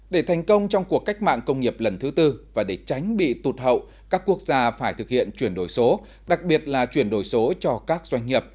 để thành công trong cuộc cách mạng công nghiệp lần thứ tư và để tránh bị tụt hậu các quốc gia phải thực hiện chuyển đổi số đặc biệt là chuyển đổi số cho các doanh nghiệp